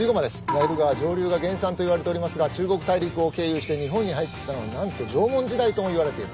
ナイル川上流が原産といわれておりますが中国大陸を経由して日本に入ってきたのがなんと縄文時代ともいわれている。